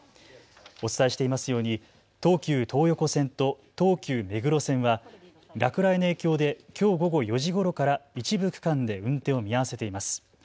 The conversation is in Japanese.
お伝えしていますように東急東横線と東急目黒線は落雷の影響できょう午後４時ごろから一部区間で運転を見合わせています。